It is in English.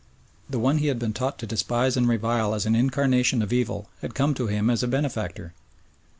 The one he had been taught to despise and revile as an incarnation of evil had come to him as a benefactor.